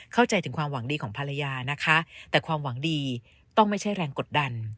เข้าใจถึงความหวังดีของภรรยานะคะแต่ความหวังดีต้องไม่ใช่แรงกดดัน